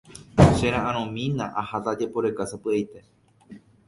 Chera'ãrõmína aháta ajeporeka sapy'aite